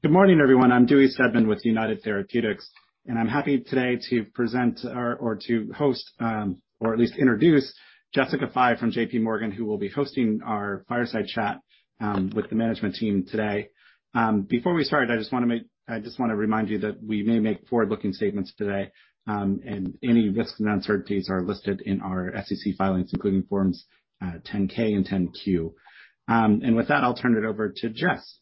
Good morning, everyone. I'm Dewey Steadman with United Therapeutics, and I'm happy today to host, or at least introduce Jessica Fye from J.P. Morgan, who will be hosting our fireside chat with the management team today. Before we start, I just wanna remind you that we may make forward-looking statements today, and any risks and uncertainties are listed in our SEC filings, including forms 10-K and 10-Q. With that, I'll turn it over to Jess.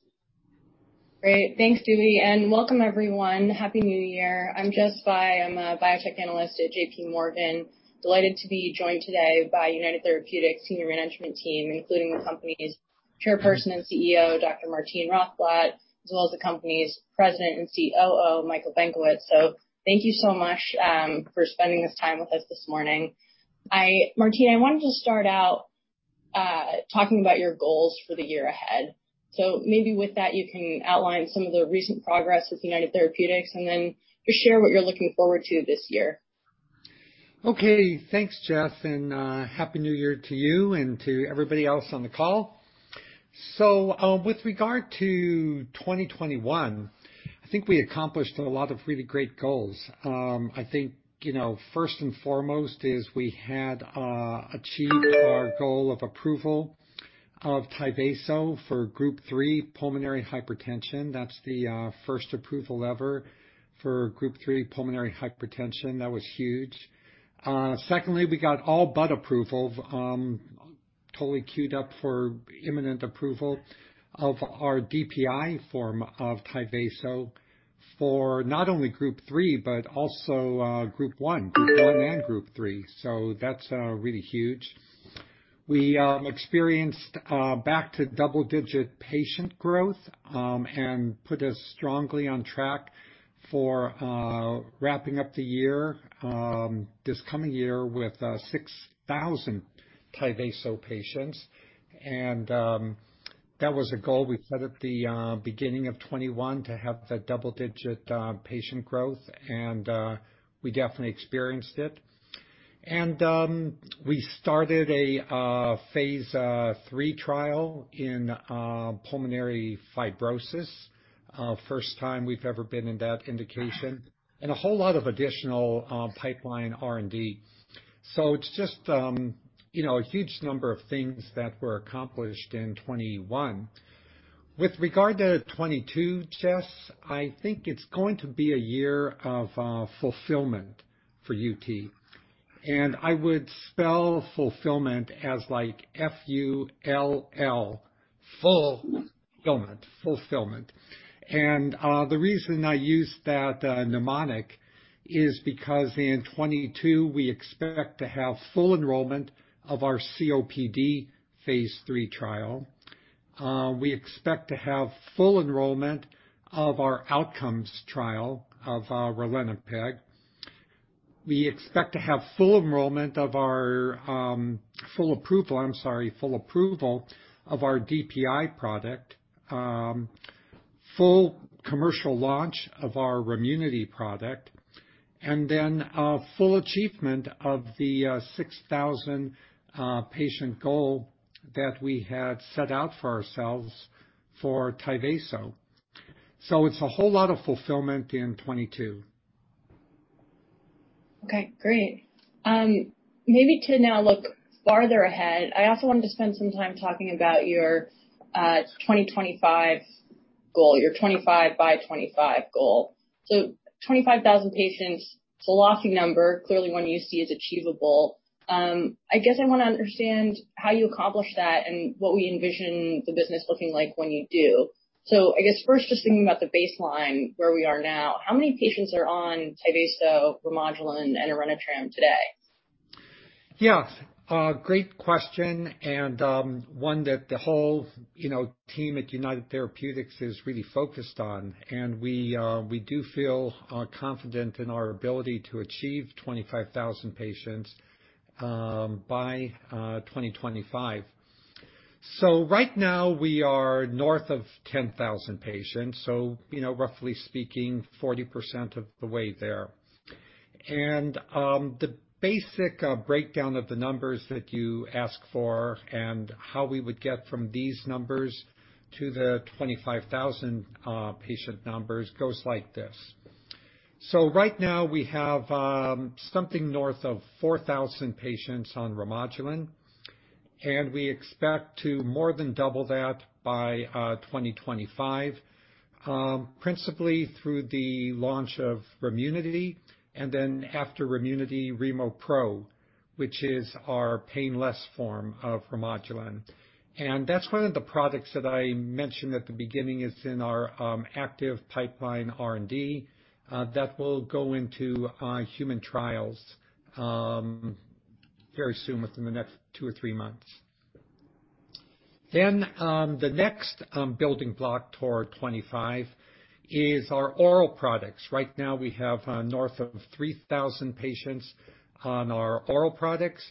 Great. Thanks, Dewey, and welcome everyone. Happy New Year. I'm Jessica Fye. I'm a Biotech Analyst at J.P. Morgan. Delighted to be joined today by United Therapeutics' senior management team, including the company's Chairperson and CEO, Dr. Martine Rothblatt, as well as the company's President and COO, Michael Benkowitz. Thank you so much for spending this time with us this morning. Martine, I wanted to start out talking about your goals for the year ahead. Maybe with that, you can outline some of the recent progress with United Therapeutics and then just share what you're looking forward to this year. Okay. Thanks, Jessica, and Happy New Year to you and to everybody else on the call. With regard to 2021, I think we accomplished a lot of really great goals. I think, you know, 1st and foremost is we had achieved our goal of approval of Tyvaso for Group 3 pulmonary hypertension. That's the 1st approval ever for Group 3 pulmonary hypertension. That was huge. Secondly, we got all but approval totally queued up for imminent approval of our DPI form of Tyvaso for not only Group 3 but also Group 1 and Group 3. That's really huge. We experienced back to double-digit patient growth and put us strongly on track for wrapping up the year this coming year with 6,000 Tyvaso patients. That was a goal we set at the beginning of 2021 to have the double-digit patient growth, and we definitely experienced it. We started a phase III trial in pulmonary fibrosis. First time we've ever been in that indication. A whole lot of additional pipeline R&D. So it's just, you know, a huge number of things that were accomplished in 2021. With regard to 2022, Jess, I think it's going to be a year of fulfillment for UT, and I would spell fulfillment as like F-U-L-L, full-fillment. Fulfillment. The reason I use that mnemonic is because in 2022, we expect to have full enrollment of our COPD phase III trial. We expect to have full enrollment of our outcomes trial of ralinepag. We expect to have full approval of our DPI product, full commercial launch of our Remunity product, and then full achievement of the 6,000 patient goal that we had set out for ourselves for Tyvaso. It's a whole lot of fulfillment in 2022. Okay, great. Maybe to now look farther ahead, I also wanted to spend some time talking about your 2025 goal, your 25 by 25 goal. 25,000 patients, it's a lofty number, clearly one you see as achievable. I guess I wanna understand how you accomplish that and what we envision the business looking like when you do. I guess 1st, just thinking about the baseline where we are now, how many patients are on Tyvaso, Remodulin and Orenitram today? Yeah. Great question, and one that the whole, you know, team at United Therapeutics is really focused on. We do feel confident in our ability to achieve 25,000 patients by 2025. Right now we are north of 10,000 patients, so you know, roughly speaking, 40% of the way there. The basic breakdown of the numbers that you ask for and how we would get from these numbers to the 25,000 patient numbers goes like this. Right now we have something north of 4,000 patients on Remodulin, and we expect to more than double that by 2025, principally through the launch of Remunity, and then after Remunity, RemoPro, which is our painless form of Remodulin. That's one of the products that I mentioned at the beginning. It's in our active pipeline R&D that will go into human trials very soon, within the next 2 or 3 months. The next building block toward 25 is our oral products. Right now we have north of 3,000 patients on our oral products,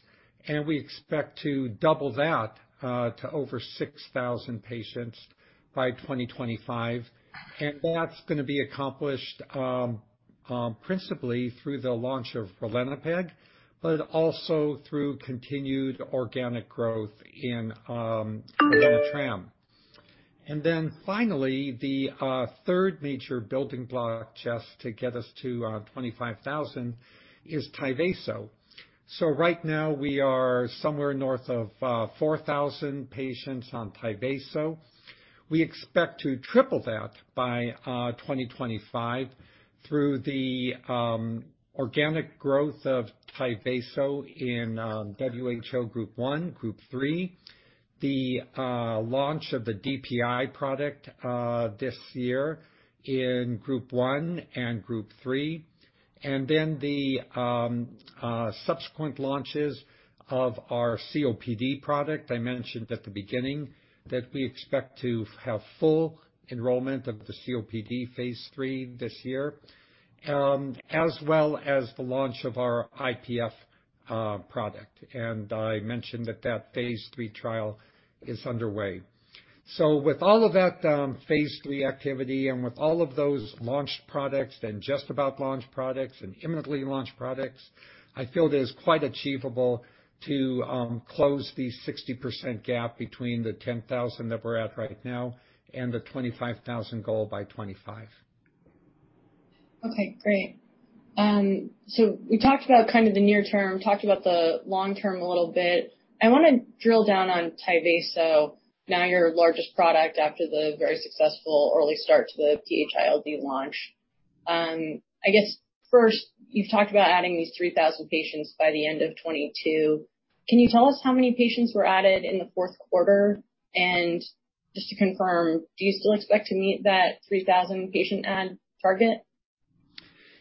and we expect to double that to over 6,000 patients by 2025. That's gonna be accomplished principally through the launch of ralinepag, but also through continued organic growth in ralinepag. Finally, the 3rd major building block, Jess, to get us to 25,000 is Tyvaso. Right now we are somewhere north of 4,000 patients on Tyvaso. We expect to triple that by 2025 through the organic growth of Tyvaso in WHO Group 1, Group 3, the launch of the DPI product this year in Group 1 and Group 3, and then the subsequent launches of our COPD product. I mentioned at the beginning that we expect to have full enrollment of the COPD phase III this year, as well as the launch of our IPF product. I mentioned that that phase III trial is underway. With all of that phase III activity and with all of those launched products and just about launched products and imminently launched products, I feel it is quite achievable to close the 60% gap between the 10,000 that we're at right now and the 25,000 goal by 2025. Okay, great. We talked about kind of the near term, talked about the long term a little bit. I wanna drill down on Tyvaso, now your largest product after the very successful early start to the PH-ILD launch. I guess 1st, you've talked about adding these 3,000 patients by the end of 2022. Can you tell us how many patients were added in the Q4? And just to confirm, do you still expect to meet that 3,000 patient add target?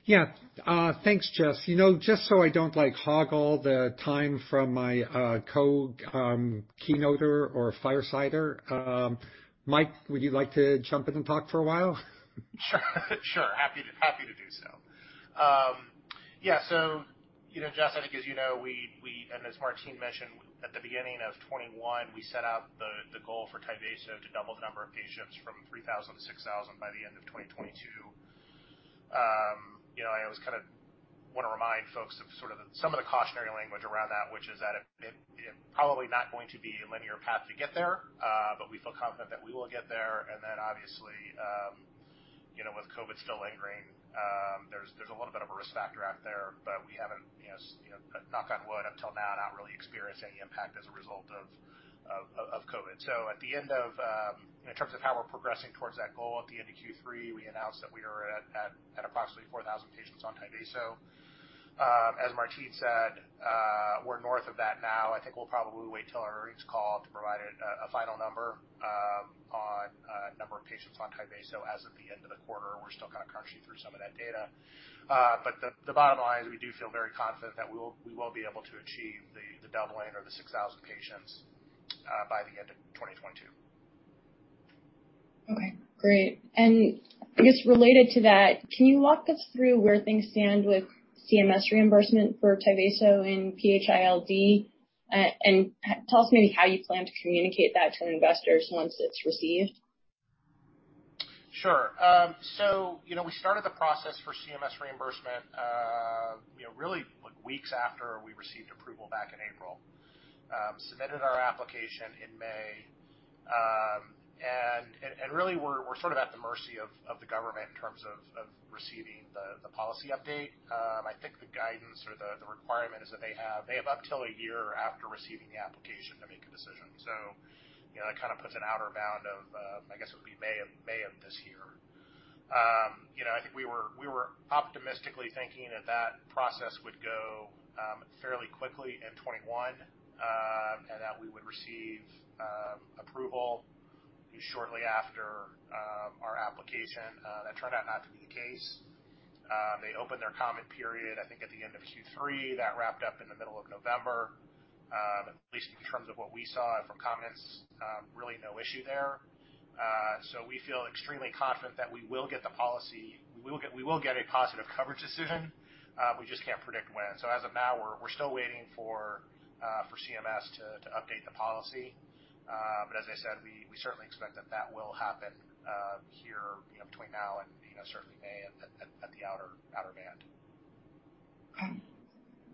Yeah. Thanks, Jess. You know, just so I don't like hog all the time from my keynoter or firesider, Mike, would you like to jump in and talk for a while? Sure. Happy to do so. Yeah. You know, Jess, I think as you know, we and as Martine mentioned at the beginning of 2021, we set out the goal for Tyvaso to double the number of patients from 3,000 to 6,000 by the end of 2022. You know, I always kinda wanna remind folks of sort of some of the cautionary language around that, which is that it probably not going to be a linear path to get there, but we feel confident that we will get there. Then obviously, you know, with COVID still lingering, there's a little bit of a risk factor out there, but we haven't, you know, knock on wood, up till now, not really experienced any impact as a result of COVID. At the end of in terms of how we're progressing towards that goal, at the end of Q3, we announced that we are at approximately 4,000 patients on Tyvaso. As Martine said, we're north of that now. I think we'll probably wait till our earnings call to provide a final number on number of patients on Tyvaso as of the end of the quarter. We're still kinda crunching through some of that data. The bottom line is we do feel very confident that we will be able to achieve the doubling or the 6,000 patients by the end of 2022. Okay, great. I guess related to that, can you walk us through where things stand with CMS reimbursement for Tyvaso in PH-ILD? Tell us maybe how you plan to communicate that to investors once it's received. Sure. You know, we started the process for CMS reimbursement, really like weeks after we received approval back in April. Submitted our application in May. Really we're sort of at the mercy of the government in terms of receiving the policy update. I think the guidance or the requirement is that they have up till a year after receiving the application to make a decision. You know, that kinda puts an outer bound of, I guess it would be May of this year. You know, I think we were optimistically thinking that process would go fairly quickly in 2021, and that we would receive approval shortly after our application. That turned out not to be the case. They opened their comment period, I think, at the end of Q3. That wrapped up in the middle of November. At least in terms of what we saw from comments, really no issue there. We feel extremely confident that we will get the policy. We will get a positive coverage decision, we just can't predict when. As of now, we're still waiting for CMS to update the policy. As I said, we certainly expect that will happen here, you know, between now and, you know, certainly May at the outer band.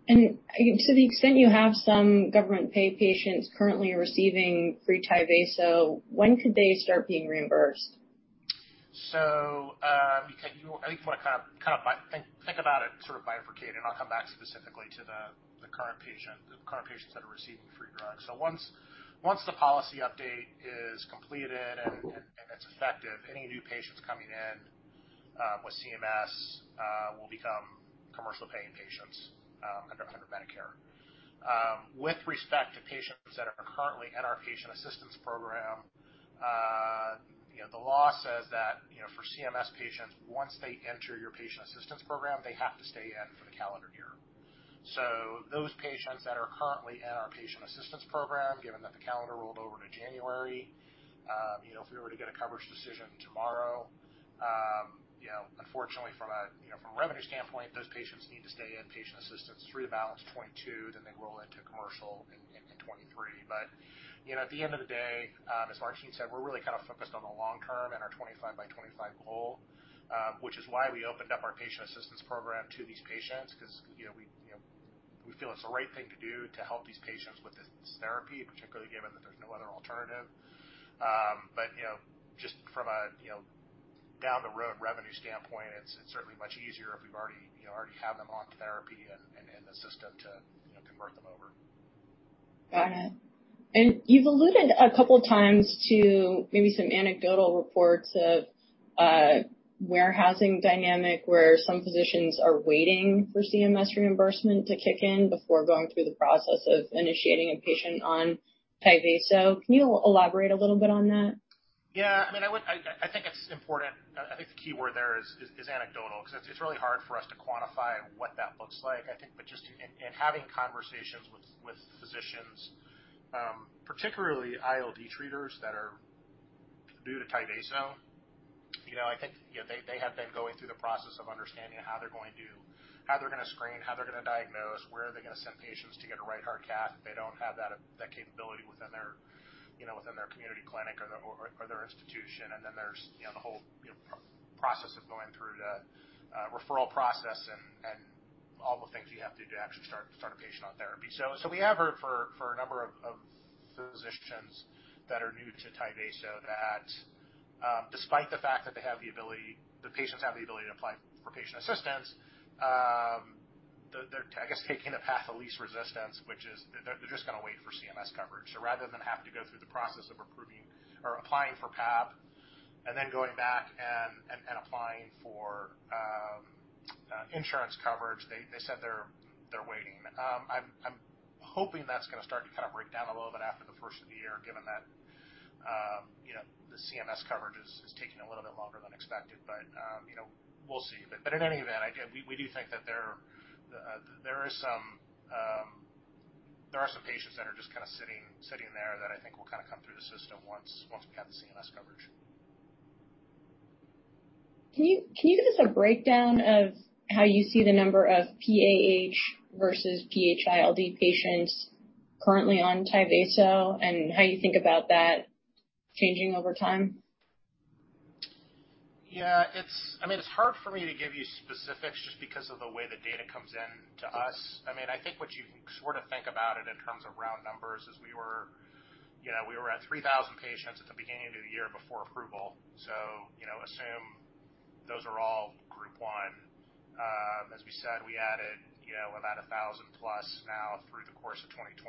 Okay. To the extent you have some government pay patients currently receiving free Tyvaso, when could they start being reimbursed? I think if I kind of think about it sort of bifurcating, and I'll come back specifically to the current patients that are receiving free drugs. Once the policy update is completed and it's effective, any new patients coming in with CMS will become commercial paying patients under Medicare. With respect to patients that are currently in our patient assistance program, you know, the law says that, you know, for CMS patients, once they enter your patient assistance program, they have to stay in for the calendar year. Those patients that are currently in our patient assistance program, given that the calendar rolled over to January, you know, if we were to get a coverage decision tomorrow, you know, unfortunately from a, you know, from a revenue standpoint, those patients need to stay in patient assistance through the balance of 2022, then they roll into commercial in 2023. But, you know, at the end of the day, as Martine said, we're really kind of focused on the long term and our 25 by 25 goal, which is why we opened up our patient assistance program to these patients because, you know, we, you know, we feel it's the right thing to do to help these patients with this therapy, particularly given that there's no other alternative. You know, just from a down the road revenue standpoint, it's certainly much easier if we've already have them on therapy and in the system to convert them over. Got it. You've alluded a couple times to maybe some anecdotal reports of a warehousing dynamic where some physicians are waiting for CMS reimbursement to kick in before going through the process of initiating a patient on Tyvaso. Can you elaborate a little bit on that? Yeah, I mean, I think it's important. I think the key word there is anecdotal because it's really hard for us to quantify what that looks like. I think, but just in having conversations with physicians, particularly ILD treaters that are new to Tyvaso, you know, I think, you know, they have been going through the process of understanding how they're gonna screen, how they're gonna diagnose, where are they gonna send patients to get a right heart cath if they don't have that capability within their, you know, within their community clinic or their institution. Then there's, you know, the whole, you know, process of going through the referral process and all the things you have to actually start a patient on therapy. We have heard from a number of physicians that are new to Tyvaso that, despite the fact that the patients have the ability to apply for patient assistance, they're, I guess, taking the path of least resistance, which is they're just gonna wait for CMS coverage. Rather than have to go through the process of approving or applying for PAP and then going back and applying for insurance coverage, they said they're waiting. I'm hoping that's gonna start to kind of break down a little bit after the 1st of the year, given that, you know, the CMS coverage is taking a little bit longer than expected. You know, we'll see. In any event, we do think that there are some patients that are just kinda sitting there that I think will kinda come through the system once we have the CMS coverage. Can you give us a breakdown of how you see the number of PAH versus PH-ILD patients currently on Tyvaso and how you think about that changing over time? Yeah, I mean, it's hard for me to give you specifics just because of the way the data comes in to us. I mean, I think what you can sort of think about it in terms of round numbers is we were, you know, we were at 3,000 patients at the beginning of the year before approval. So, you know, assume those are all group one. As we said, we added, you know, about 1,000 plus now through the course of 2022.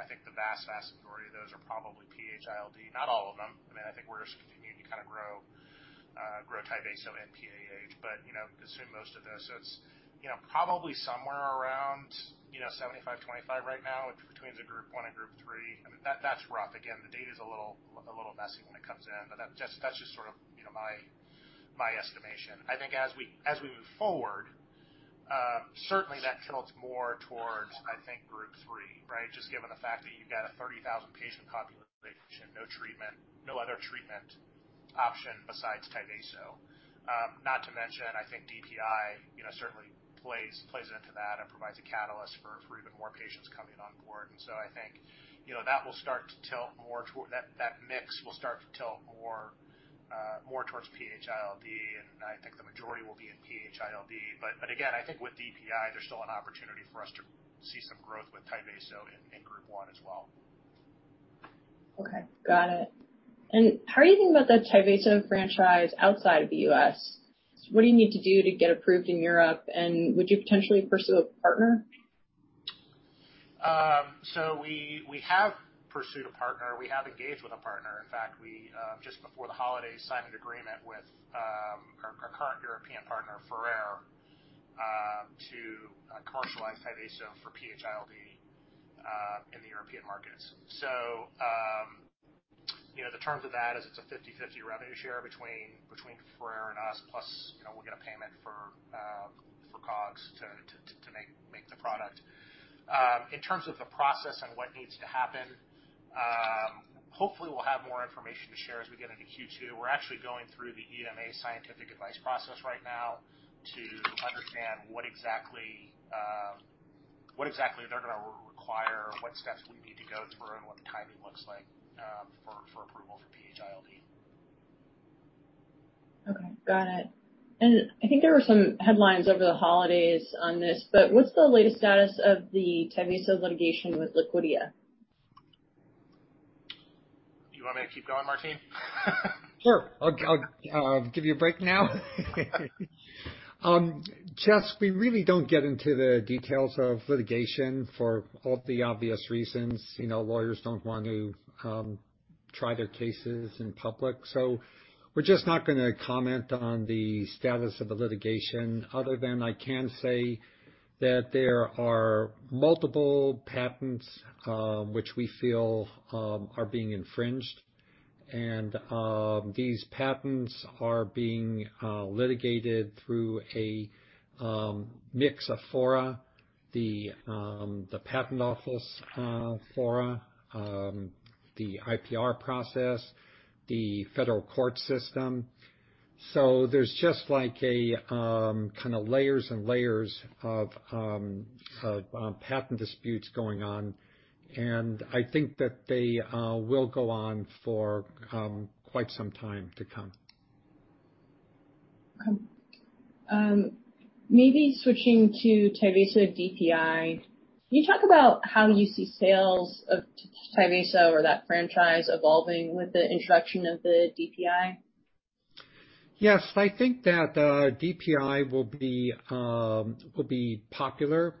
I think the vast majority of those are probably PH-ILD. Not all of them. I mean, I think we're just continuing to kind of grow Tyvaso and PAH. But, you know, assume most of this. It's, you know, probably somewhere around, you know, 75 to 25 right now between the group one and group 3. I mean, that's rough. Again, the data's a little messy when it comes in, but that's just sort of, you know, my estimation. I think as we move forward, certainly that tilts more towards, I think, group 3, right? Just given the fact that you've got a 30,000 patient population, no treatment, no other treatment option besides Tyvaso. Not to mention, I think DPI, you know, certainly plays into that and provides a catalyst for even more patients coming on board. I think, you know, that will start to tilt more. That mix will start to tilt more towards PH-ILD, and I think the majority will be in PH-ILD. Again, I think with DPI, there's still an opportunity for us to see some growth with Tyvaso in group one as well. Okay. Got it. How are you thinking about the Tyvaso franchise outside of the U.S.? What do you need to do to get approved in Europe? Would you potentially pursue a partner? We have pursued a partner. We have engaged with a partner. In fact, we just before the holiday signed an agreement with our current European partner, Ferrer, to commercialize Tyvaso for PH-ILD in the European markets. You know, the terms of that is it's a 50/50 revenue share between Ferrer and us, plus, you know, we'll get a payment for COGS to make the product. In terms of the process and what needs to happen, hopefully we'll have more information to share as we get into Q2. We're actually going through the EMA scientific advice process right now to understand what exactly they're gonna require, what steps we need to go through and what the timing looks like for approval for PH-ILD. Okay. Got it. I think there were some headlines over the holidays on this, but what's the latest status of the Tyvaso litigation with Liquidia? You want me to keep going, Martine? Sure. I'll give you a break now. Jess, we really don't get into the details of litigation for all the obvious reasons. You know, lawyers don't want to try their cases in public. We're just not gonna comment on the status of the litigation other than I can say that there are multiple patents which we feel are being infringed. These patents are being litigated through a mix of fora, the patent office, fora, the IPR process, the federal court system. There's just like a kinda layers and layers of patent disputes going on, and I think that they will go on for quite some time to come. Okay. Maybe switching to Tyvaso DPI. Can you talk about how you see sales of Tyvaso or that franchise evolving with the introduction of the DPI? Yes. I think that DPI will be popular.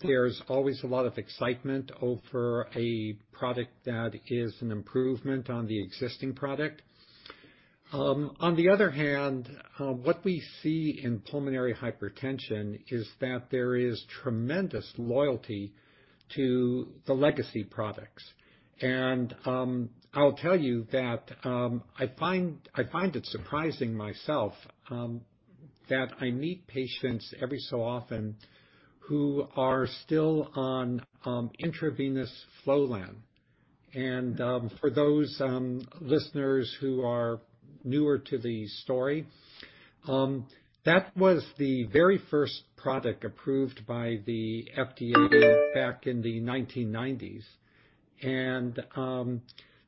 There's always a lot of excitement over a product that is an improvement on the existing product. On the other hand, what we see in pulmonary hypertension is that there is tremendous loyalty to the legacy products. I'll tell you that I find it surprising myself that I meet patients every so often who are still on intravenous Flolan. For those listeners who are newer to the story, that was the very first product approved by the FDA back in the 1990s.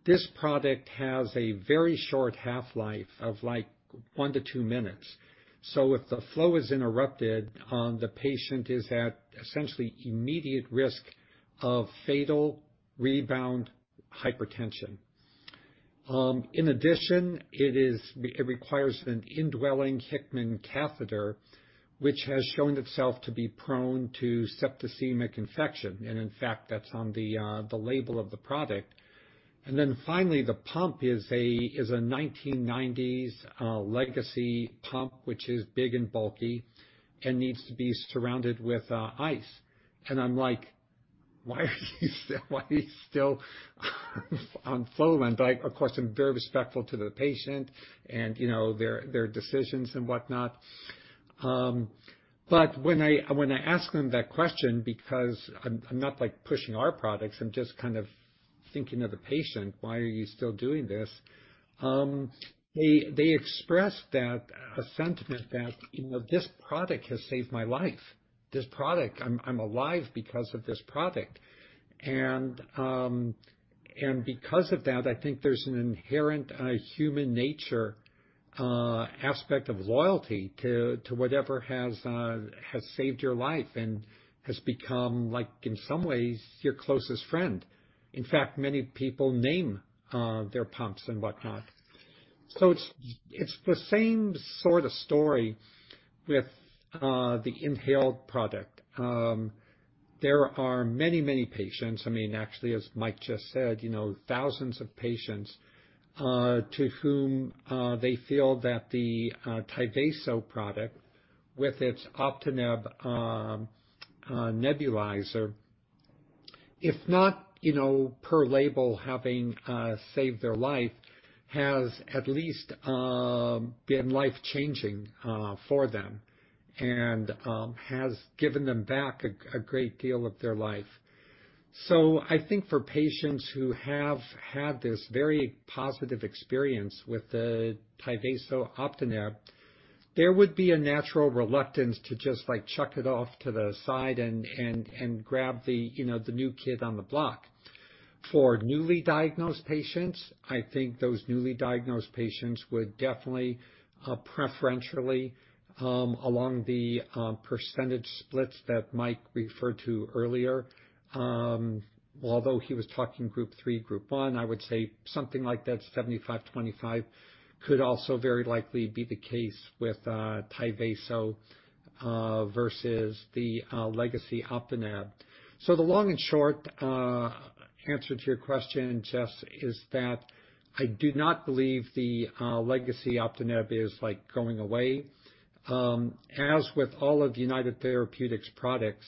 This product has a very short half-life of, like, 1 to 2 minutes. If the flow is interrupted, the patient is at essentially immediate risk of fatal rebound hypertension. In addition, it is. It requires an indwelling Hickman catheter, which has shown itself to be prone to septicemic infection, and in fact, that's on the label of the product. Finally, the pump is a 1990s legacy pump, which is big and bulky and needs to be surrounded with ice. I'm like, "Why are you still on Flolan?" I of course, I'm very respectful to the patient and, you know, their decisions and whatnot. When I ask them that question because I'm not, like, pushing our products, I'm just kind of thinking of the patient, "Why are you still doing this?" They express a sentiment that, you know, "This product has saved my life. This product I'm alive because of this product." Because of that, I think there's an inherent human nature aspect of loyalty to whatever has saved your life and has become, like, in some ways, your closest friend. In fact, many people name their pumps and whatnot. It's the same sort of story with the inhaled product. There are many patients, I mean, actually, as Mike just said, you know, thousands of patients to whom they feel that the Tyvaso product with its Optineb nebulizer, if not, you know, per label, having saved their life, has at least been life-changing for them and has given them back a great deal of their life. I think for patients who have had this very positive experience with the Tyvaso Optineb, there would be a natural reluctance to just, like, chuck it off to the side and grab the, you know, the new kid on the block. For newly diagnosed patients, I think those newly diagnosed patients would definitely preferentially along the percentage splits that Mike referred to earlier, although he was talking Group 3, Group 1, I would say something like that 75/25 could also very likely be the case with Tyvaso versus the legacy Optineb. The long and short answer to your question, Jess, is that I do not believe the legacy Optineb is, like, going away. As with all of United Therapeutics products,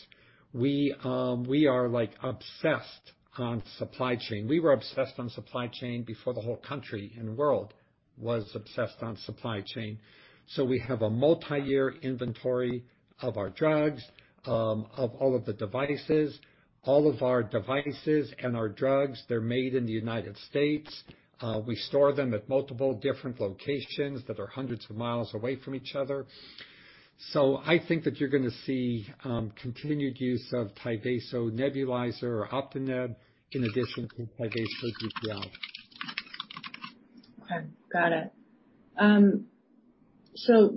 we are, like, obsessed on supply chain. We were obsessed on supply chain before the whole country and world was obsessed on supply chain. We have a multi-year inventory of our drugs, of all of the devices. All of our devices and our drugs, they're made in the United States. We store them at multiple different locations that are hundreds of miles away from each other. I think that you're gonna see continued use of Tyvaso nebulizer or Optineb in addition to Tyvaso DPI. Okay. Got it.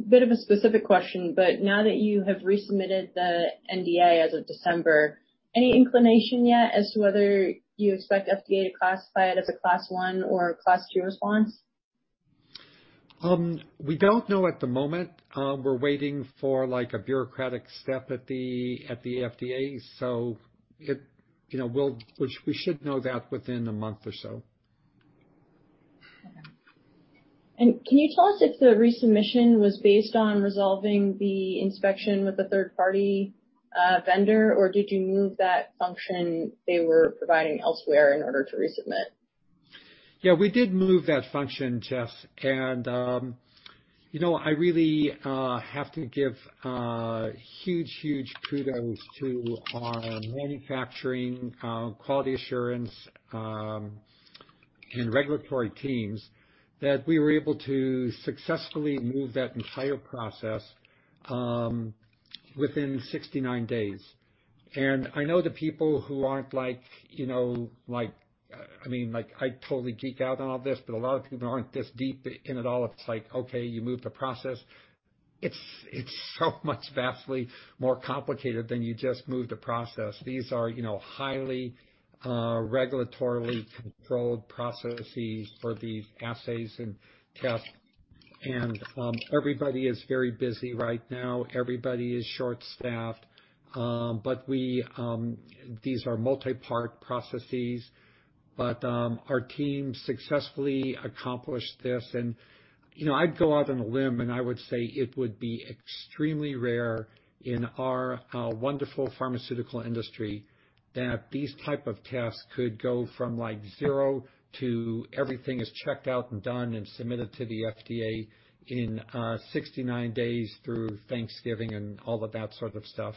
Bit of a specific question, but now that you have resubmitted the NDA as of December, any inclination yet as to whether you expect FDA to classify it as a Class 1 or Class 2 response? We don't know at the moment. We're waiting for, like, a bureaucratic step at the FDA, so you know, we should know that within a month or so. Can you tell us if the resubmission was based on resolving the inspection with the 3rd-party vendor, or did you move that function they were providing elsewhere in order to resubmit? Yeah, we did move that function, Jess. You know, I really have to give huge kudos to our manufacturing quality assurance and regulatory teams that we were able to successfully move that entire process within 69 days. I know the people who aren't like, you know, I mean, like, I totally geek out on all this, but a lot of people aren't this deep in at all. It's like, okay, you move the process. It's so much vastly more complicated than you just move the process. These are, you know, highly regulatorily controlled processes for the assays and tests. Everybody is very busy right now. Everybody is short-staffed. But these are multi-part processes, but our team successfully accomplished this. You know, I'd go out on a limb, and I would say it would be extremely rare in our wonderful pharmaceutical industry that these type of tasks could go from, like, zero to everything is checked out and done and submitted to the FDA in 69 days through Thanksgiving and all of that sort of stuff.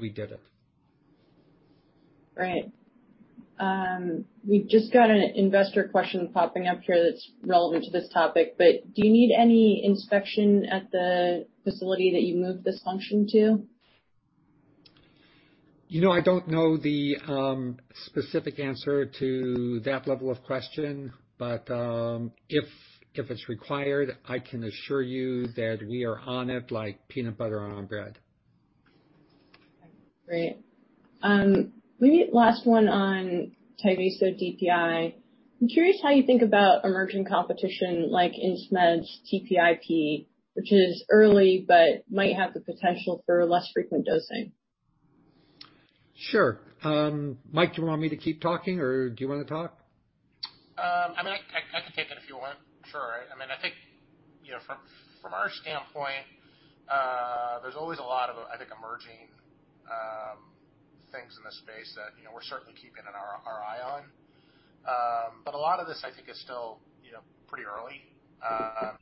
We did it. Right. We just got an investor question popping up here that's relevant to this topic, but do you need any inspection at the facility that you moved this function to? You know, I don't know the specific answer to that level of question. If it's required, I can assure you that we are on it like peanut butter on bread. Great. Maybe last one on Tyvaso DPI. I'm curious how you think about emerging competition like Insmed's TPIP, which is early but might have the potential for less frequent dosing. Sure. Mike, do you want me to keep talking, or do you wanna talk? I mean, I can take it if you want. Sure. I mean, I think, you know, from our standpoint, there's always a lot of, I think, emerging things in this space that, you know, we're certainly keeping our eye on. A lot of this, I think, is still, you know, pretty early. I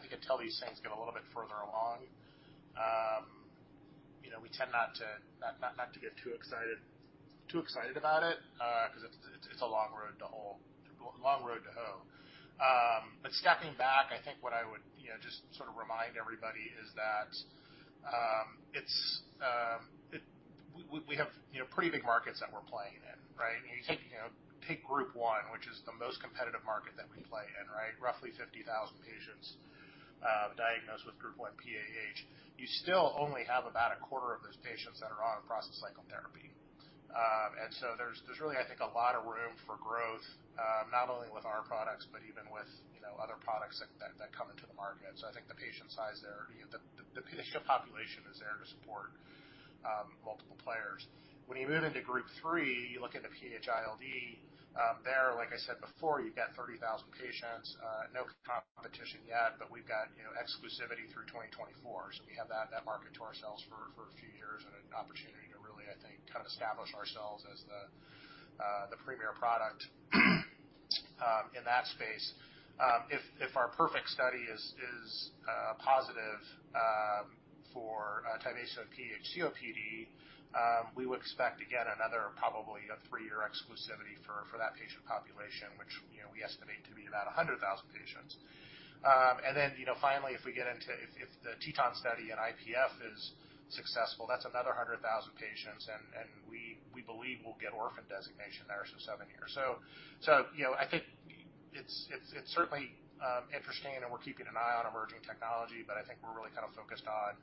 think until these things get a little bit further along, you know, we tend not to get too excited about it, 'cause it's a long row to hoe. Stepping back, I think what I would, you know, just sort of remind everybody is that we have, you know, pretty big markets that we're playing in, right? You take group 1, which is the most competitive market that we play in, right? Roughly 50,000 patients diagnosed with Group 1 PAH. You still only have about a quarter of those patients that are on a prostacyclin therapy. There's really, I think, a lot of room for growth, not only with our products, but even with, you know, other products that come into the market. I think the patient size there, the patient population is there to support multiple players. When you move into Group 3, you look into PH-ILD, there, like I said before, you've got 30,000 patients, no competition yet, but we've got, you know, exclusivity through 2024. We have that market to ourselves for a few years and an opportunity to really, I think, kind of establish ourselves as the premier product in that space. If our PERFECT study is positive for Tyvaso PH-COPD, we would expect to get another probably a 3-year exclusivity for that patient population, which, you know, we estimate to be about 100,000 patients. Then, you know, finally, if the TETON study in IPF is successful, that's another 100,000 patients, and we believe we'll get orphan designation there, so 7 years. You know, I think it's certainly interesting, and we're keeping an eye on emerging technology, but I think we're really kind of focused on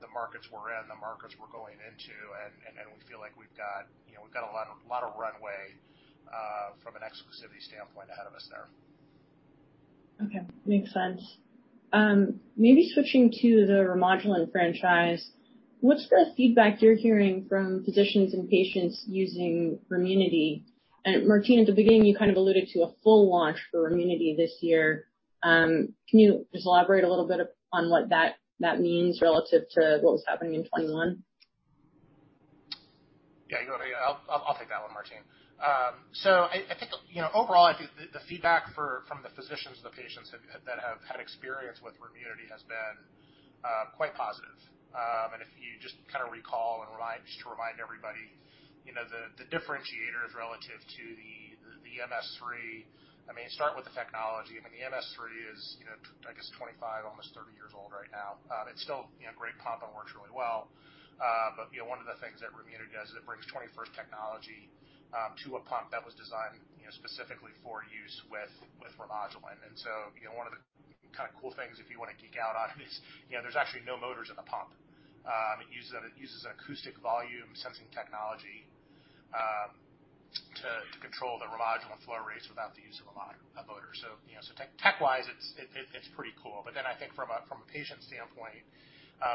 the markets we're in, the markets we're going into, and we feel like we've got, you know, we've got a lot of runway from an exclusivity standpoint ahead of us there. Okay. Makes sense. Maybe switching to the Remodulin franchise, what's the feedback you're hearing from physicians and patients using Remunity? Martine, at the beginning, you kind of alluded to a full launch for Remunity this year. Can you just elaborate a little bit on what that means relative to what was happening in 2021? Yeah. I'll take that one, Martine. So I think, you know, overall I think the feedback from the physicians and the patients that have had experience with Remunity has been quite positive. If you just kinda recall and remind, just to remind everybody, you know, the differentiators relative to the MS3, I mean, start with the technology. I mean, the MS3 is, you know, I guess 25, almost 30 years old right now. It's still, you know, a great pump and works really well. You know, one of the things that Remunity does is it brings 21st-century technology to a pump that was designed, you know, specifically for use with Remodulin. You know, one of the kinda cool things, if you wanna geek out on these, you know, there's actually no motors in the pump. It uses acoustic volume sensing technology to control the Remodulin flow rates without the use of a motor. You know, so tech-wise, it's pretty cool. I think from a patient standpoint,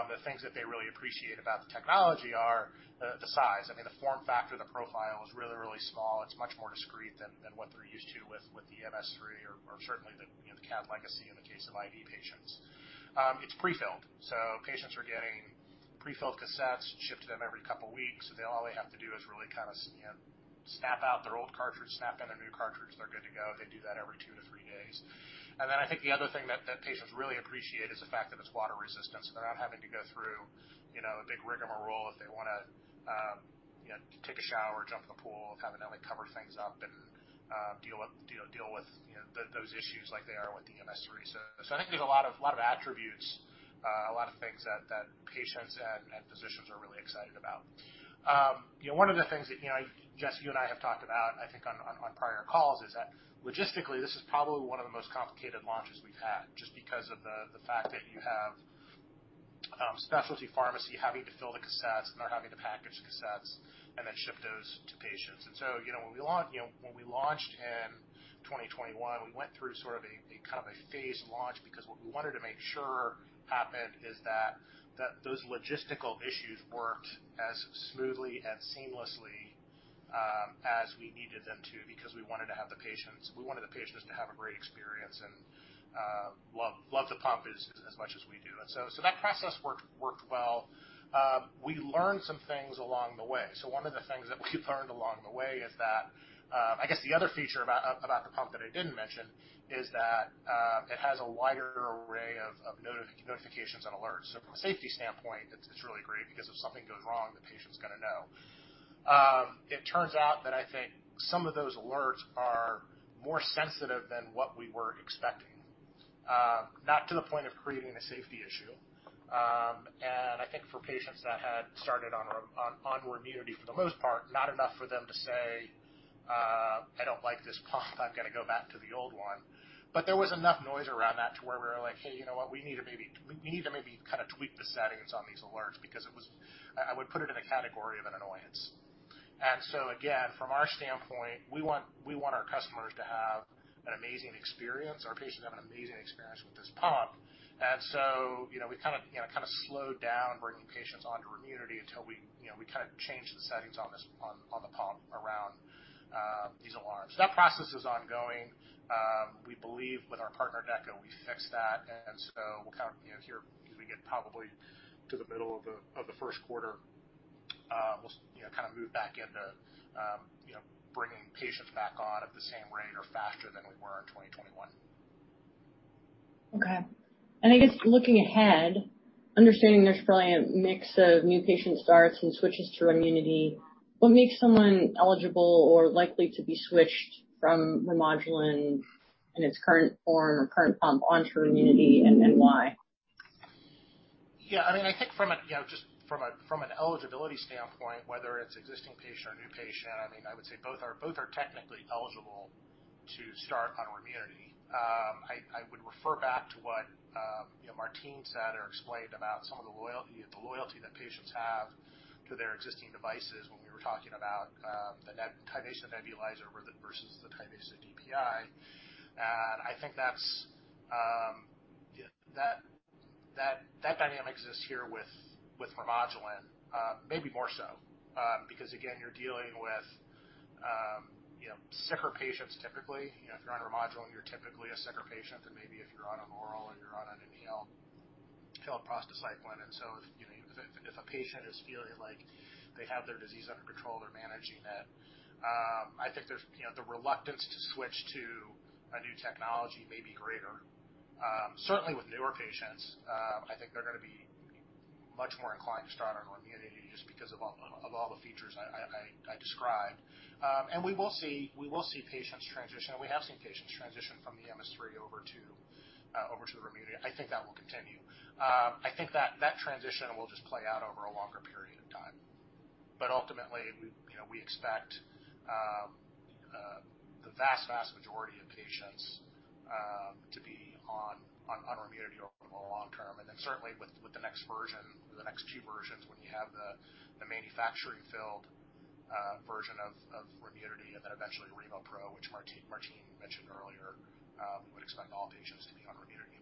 the things that they really appreciate about the technology are the size. I mean, the form factor, the profile is really, really small. It's much more discreet than what they're used to with the MS3 or certainly the CADD-Legacy in the case of IV patients. It's prefilled, so patients are getting prefilled cassettes shipped to them every couple weeks. All they have to do is really kinda, you know, snap out their old cartridge, snap in their new cartridge, they're good to go. They do that every 2 to 3 days. Then I think the other thing that patients really appreciate is the fact that it's water resistant, so they're not having to go through, you know, a big rigmarole if they wanna, you know, take a shower or jump in the pool, of having to like cover things up and deal with, you know, those issues like they are with the MS 3. I think there's a lot of attributes, a lot of things that patients and physicians are really excited about. You know, one of the things that, you know, Jess, you and I have talked about, I think on prior calls, is that logistically, this is probably one of the most complicated launches we've had just because of the fact that you have specialty pharmacy having to fill the cassettes and they're having to package cassettes and then ship those to patients. You know, when we launched in 2021, we went through sort of a kind of a phased launch because what we wanted to make sure happened is that those logistical issues worked as smoothly and seamlessly as we needed them to because we wanted the patients to have a great experience and love the pump as much as we do. That process worked well. We learned some things along the way. One of the things that we've learned along the way is that, I guess the other feature about the pump that I didn't mention is that, it has a wider array of notifications and alerts. From a safety standpoint, it's really great because if something goes wrong, the patient's gonna know. It turns out that I think some of those alerts are more sensitive than what we were expecting, not to the point of creating a safety issue. I think for patients that had started on Remunity for the most part, not enough for them to say, "I don't like this pump. I'm gonna go back to the old one." There was enough noise around that to where we were like, "Hey, you know what? We need to maybe kind of tweak the settings on these alerts," because it was. I would put it in a category of an annoyance. Again, from our standpoint, we want our customers to have an amazing experience. Our patients have an amazing experience with this pump. You know, we kind of, you know, kind of slowed down bringing patients onto Remunity until we, you know, we kind of changed the settings on this, on the pump around these alarms. That process is ongoing. We believe with our partner DEKA, we fixed that and so we'll kind of, you know, here as we get probably to the middle of the Q1, move back into, you know, bringing patients back on at the same rate or faster than we were in 2021. Okay. I guess looking ahead, understanding there's probably a mix of new patient starts and switches to Remunity, what makes someone eligible or likely to be switched from Remodulin in its current form or current pump onto Remunity and why? Yeah. I mean, I think from an eligibility standpoint, whether it's existing patient or new patient, I mean, I would say both are technically eligible to start on Remunity. I would refer back to what you know, Martine said or explained about some of the loyalty, the loyalty that patients have to their existing devices when we were talking about the Tyvaso nebulizer versus the Tyvaso DPI. I think that's that dynamic exists here with Remodulin, maybe more so because again, you're dealing with you know, sicker patients typically. You know, if you're on Remodulin, you're typically a sicker patient than maybe if you're on an oral and you're on an inhaled prostacyclin. If you know, if a patient is feeling like they have their disease under control, they're managing it, I think there's you know the reluctance to switch to a new technology may be greater. Certainly with newer patients, I think they're gonna be much more inclined to start on Remunity just because of all the features I described. We will see patients transition, and we have seen patients transition from the MS 3 over to the Remunity. I think that will continue. I think that transition will just play out over a longer period of time. Ultimately, we you know we expect the vast majority of patients to be on Remunity over the long term. Then certainly with the next version or the next few versions, when you have the manufacturing filled version of Remunity and then eventually RemoPro, which Martine mentioned earlier, would expect all patients to be on Remunity.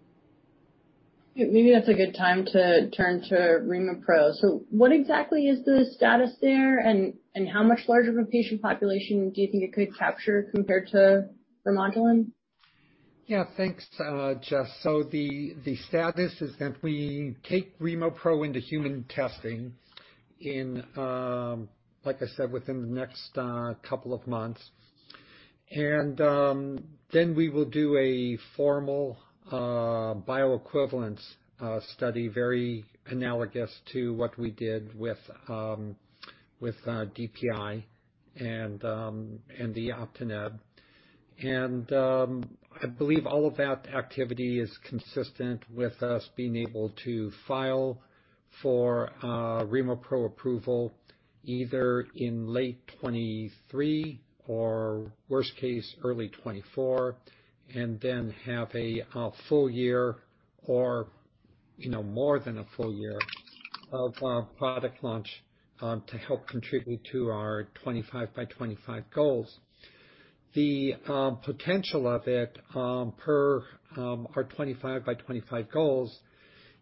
Yeah. Maybe that's a good time to turn to RemoPro. What exactly is the status there and how much larger of a patient population do you think it could capture compared to Remodulin? Yeah. Thanks, Jess. The status is that we take RemoPro into human testing in, like I said, within the next couple of months. Then we will do a formal bioequivalence study, very analogous to what we did with DPI and the Optineb. I believe all of that activity is consistent with us being able to file for RemoPro approval either in late 2023 or worst case, early 2024, and then have a full year or, you know, more than a full year of our product launch to help contribute to our 25 by 25 goals. The potential of it per our 25 by 25 goals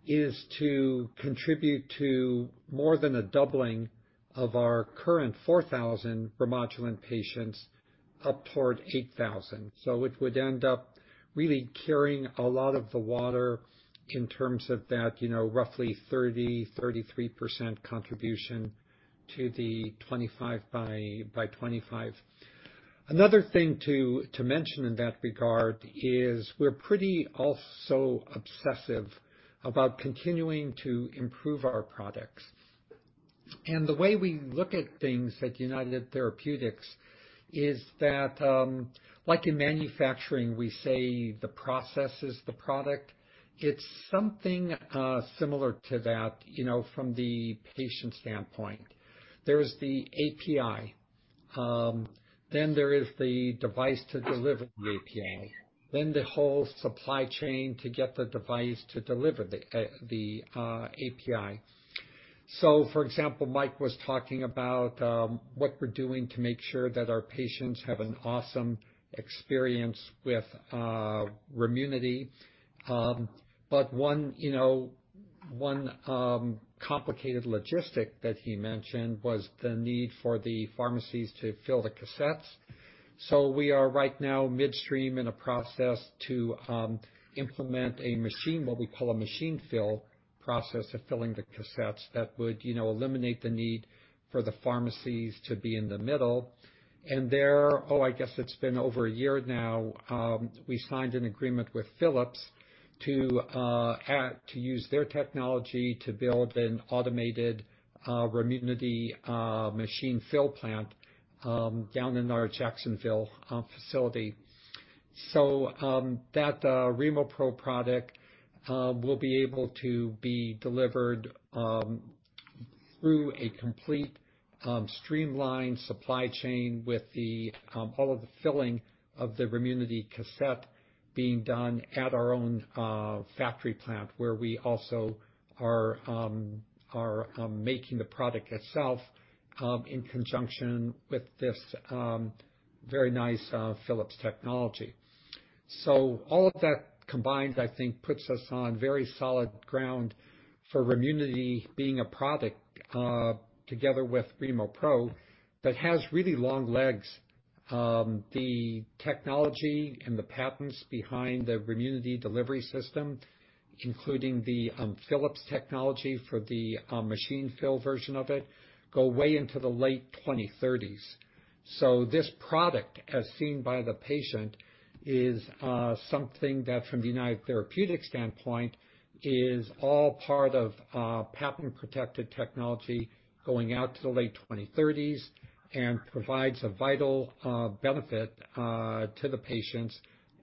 is to contribute to more than a doubling of our current 4,000 Remodulin patients upward 8,000. It would end up really carrying a lot of the water in terms of that, you know, roughly 30 to 33% contribution to the 25 by 25. Another thing to mention in that regard is we're pretty also obsessive about continuing to improve our products. The way we look at things at United Therapeutics is that, like in manufacturing, we say the process is the product. It's something similar to that, you know, from the patient standpoint. There's the API. Then there is the device to deliver the API, then the whole supply chain to get the device to deliver the API. For example, Mike was talking about what we're doing to make sure that our patients have an awesome experience with Remunity. One, you know, complicated logistic that he mentioned was the need for the pharmacies to fill the cassettes. We are right now midstream in a process to implement a machine, what we call a machine fill process of filling the cassettes that would, you know, eliminate the need for the pharmacies to be in the middle. I guess it's been over a year now, we signed an agreement with Philips to use their technology to build an automated Remunity machine fill plant down in our Jacksonville facility. That RemoPro product will be able to be delivered through a complete streamlined supply chain with all of the filling of the Remunity cassette being done at our own factory plant, where we also are making the product itself in conjunction with this very nice Philips technology. All of that combined, I think, puts us on very solid ground for Remunity being a product together with RemoPro that has really long legs. The technology and the patents behind the Remunity delivery system, including the Philips technology for the machine fill version of it, go way into the late 2030s. This product, as seen by the patient, is something that from United Therapeutics standpoint, is all part of patent-protected technology going out to the late 2030s and provides a vital benefit to the patients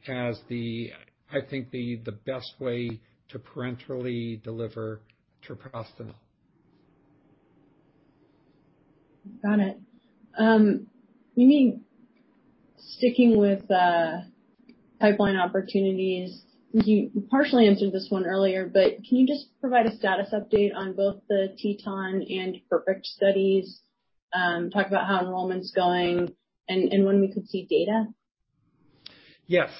as, I think, the best way to parenterally deliver treprostinil. Got it. You mean sticking with the pipeline opportunities, you partially answered this one earlier, but can you just provide a status update on both the TETON and PERFECT studies? Talk about how enrollment's going and when we could see data. Yes.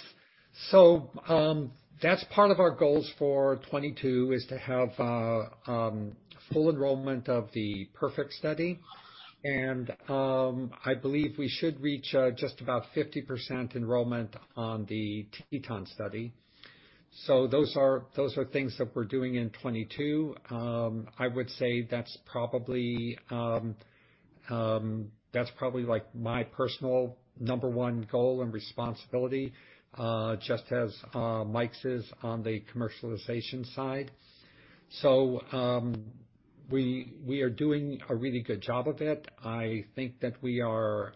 That's part of our goals for 2022 is to have full enrollment of the PERFECT study. I believe we should reach just about 50% enrollment on the TETON study. Those are things that we're doing in 2022. I would say that's probably like my personal number one goal and responsibility just as Mike's is on the commercialization side. We are doing a really good job of it. I think that we are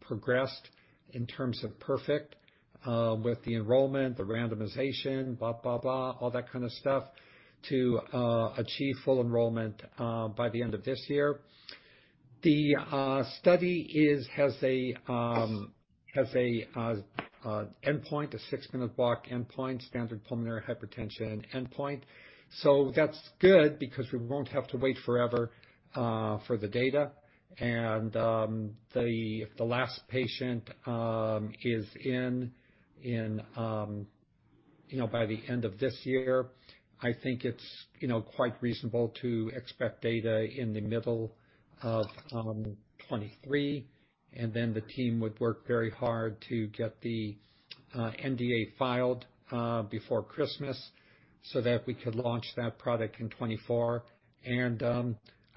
progressed in terms of PERFECT with the enrollment, the randomization, blah, blah, all that kind of stuff to achieve full enrollment by the end of this year. The study has a 6-minute walk endpoint, standard pulmonary hypertension endpoint. That's good because we won't have to wait forever for the data. If the last patient is in, you know, by the end of this year, I think it's, you know, quite reasonable to expect data in the middle of 2023. Then the team would work very hard to get the NDA filed before Christmas so that we could launch that product in 2024.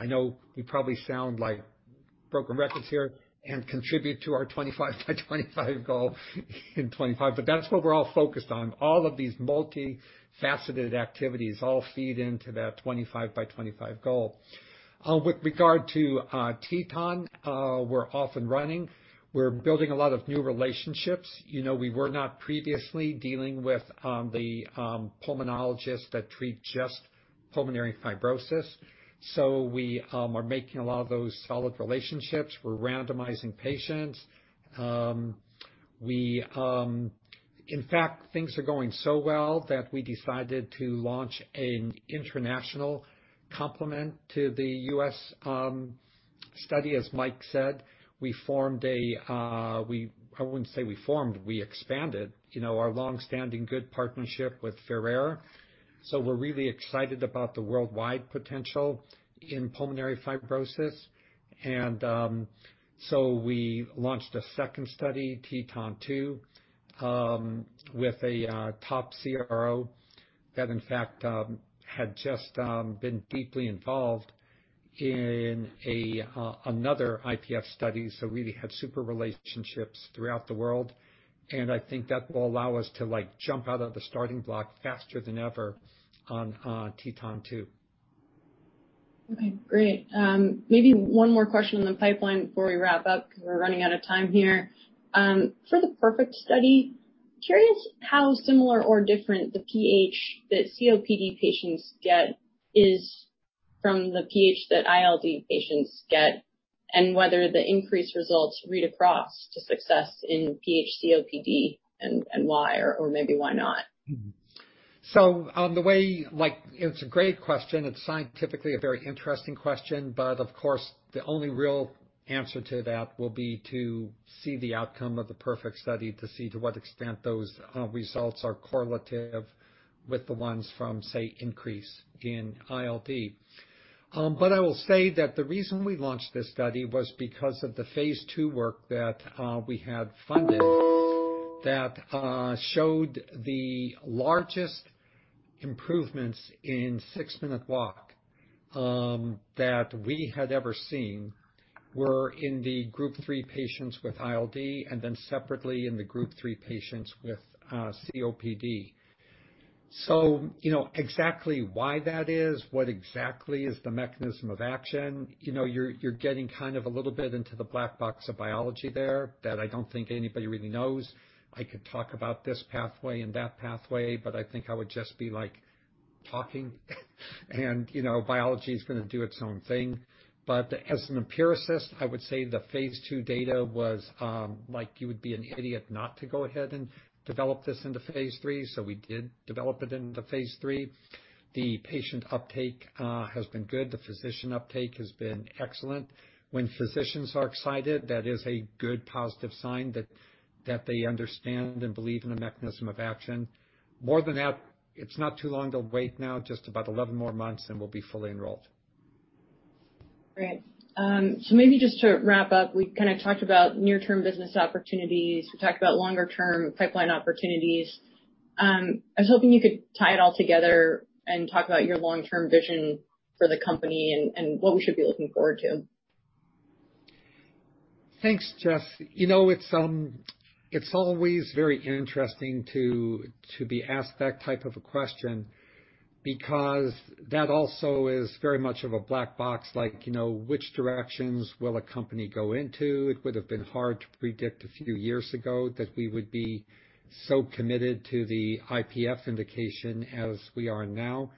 I know we probably sound like broken records here and contribute to our 25 by 25 goal in 2025, but that's what we're all focused on. All of these multifaceted activities all feed into that 25 by 25 goal. With regard to TETON, we're off and running. We're building a lot of new relationships. You know, we were not previously dealing with the pulmonologists that treat just pulmonary fibrosis. So we are making a lot of those solid relationships. We're randomizing patients. In fact, things are going so well that we decided to launch an international complement to the U.S. study. As Mike said, we expanded, you know, our long-standing good partnership with Ferrer. So we're really excited about the worldwide potential in pulmonary fibrosis. So we launched a 2nd study, TETON 2, with a top CRO that in fact had just been deeply involved in another IPF study. So we have super relationships throughout the world, and I think that will allow us to, like, jump out of the starting block faster than ever on TETON 2. Okay, great. Maybe one more question in the pipeline before we wrap up, because we're running out of time here. I'm curious for the PERFECT study how similar or different the PH that COPD patients get is from the PH that ILD patients get, and whether the increased results read across to success in PH-COPD and why or maybe why not? Like it's a great question. It's scientifically a very interesting question, but of course, the only real answer to that will be to see the outcome of the PERFECT study, to see to what extent those results are correlative with the ones from, say, INCREASE in ILD. I will say that the reason we launched this study was because of the phase II work that we had funded that showed the largest improvements in 6-minute walk that we had ever seen were in the Group 3 patients with ILD and then separately in the Group 3 patients with COPD. You know exactly why that is, what exactly is the mechanism of action, you know, you're getting kind of a little bit into the black box of biology there that I don't think anybody really knows. I could talk about this pathway and that pathway, but I think I would just be like talking. You know, biology is gonna do its own thing. As an empiricist, I would say the phase II data was, like, you would be an idiot not to go ahead and develop this into phase III. We did develop it into phase III. The patient uptake has been good. The physician uptake has been excellent. When physicians are excited, that is a good positive sign that they understand and believe in the mechanism of action. More than that, it's not too long to wait now, just about 11 more months and we'll be fully enrolled. Great. Maybe just to wrap up, we kind of talked about near-term business opportunities. We talked about longer term pipeline opportunities. I was hoping you could tie it all together and talk about your long-term vision for the company and what we should be looking forward to. Thanks, Jess. You know, it's always very interesting to be asked that type of a question because that also is very much of a black box. Like, you know, which directions will a company go into? It would have been hard to predict a few years ago that we would be so committed to the IPF indication as we are now.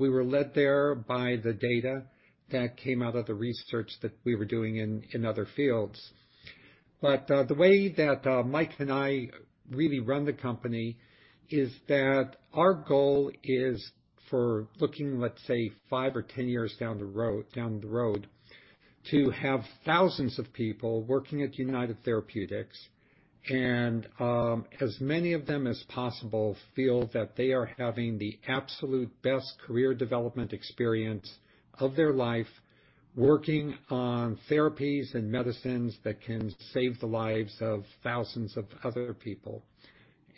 We were led there by the data that came out of the research that we were doing in other fields. The way that Mike and I really run the company is that our goal is forward looking, let's say, 5 or 10 years down the road, to have thousands of people working at United Therapeutics and as many of them as possible feel that they are having the absolute best career development experience of their life working on therapies and medicines that can save the lives of thousands of other people.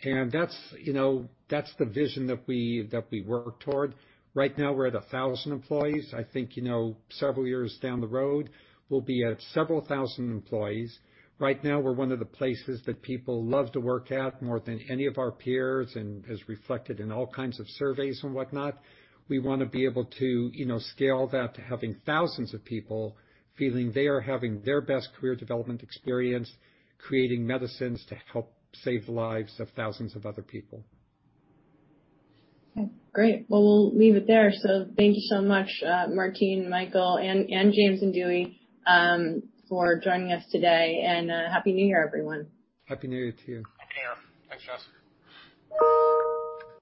That's, you know, that's the vision that we work toward. Right now, we're at 1,000 employees. I think, you know, several years down the road, we'll be at several thousand employees. Right now, we're one of the places that people love to work at more than any of our peers and as reflected in all kinds of surveys and whatnot. We wanna be able to, you know, scale that to having thousands of people feeling they are having their best career development experience, creating medicines to help save the lives of thousands of other people. Great. Well, we'll leave it there. Thank you so much, Martine, Michael, and James and Dewey, for joining us today. A Happy New Year, everyone. Happy New Year to you. Happy New Year. Thanks, Jess.